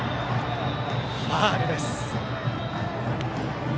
ファウルです。